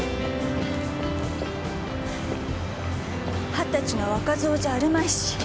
二十歳の若造じゃあるまいし。